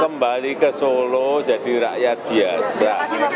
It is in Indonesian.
kembali ke solo jadi rakyat biasa